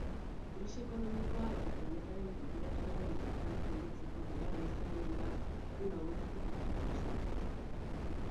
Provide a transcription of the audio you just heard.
Krisi ekonomikoa eta planetaren tenperaturaren gorakada gelditzeko beharra izango dira egun hauetako protagonistak.